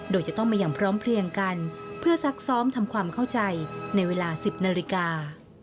โดยจะต้องมาอย่างพร้อมเพลียงกันเพื่อซักซ้อมทำความเข้าใจในเวลา๑๐นาฬิกา